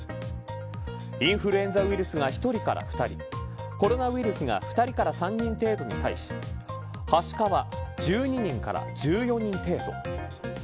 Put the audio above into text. インフルエンザウイルスが１人から２人コロナウイルスが２人から３人程度に対しはしかは１２人から１４人程度。